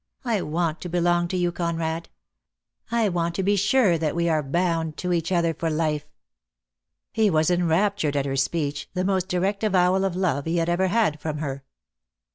I want to belong to you, Conrad. I want to be sure that we are bound to each other for life." He was enraptured at her speech, the most direct avowal of love he had ever had from her.